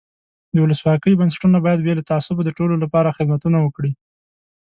د ولسواکۍ بنسټونه باید بې له تعصبه د ټولو له پاره خدمتونه وکړي.